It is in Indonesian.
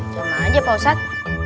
coba aja pausat